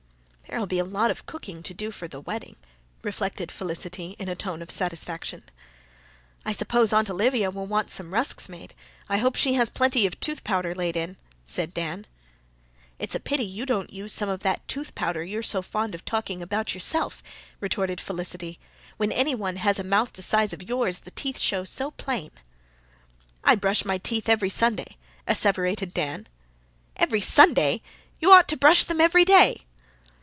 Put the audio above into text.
"There'll be a lot of cooking to do for the wedding," reflected Felicity in a tone of satisfaction. "I s'pose Aunt Olivia will want some rusks made. I hope she has plenty of tooth powder laid in," said Dan. "It's a pity you don't use some of that tooth powder you're so fond of talking about yourself," retorted Felicity. "When anyone has a mouth the size of yours the teeth show so plain." "I brush my teeth every Sunday," asseverated Dan. "Every Sunday! You ought to brush them every DAY."